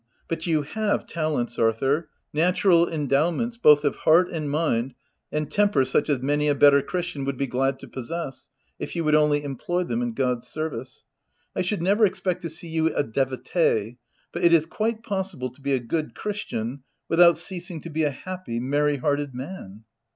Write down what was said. But you have talents, Arthur — natural endowments, both of heart and mind, and temper such as many a better chris tian would be glad to possess — if you would only employ them in God's service. I should never expect to see you a devotee, but it is quite possible to be a good christian without ceasing to be a happy, merry hearted man."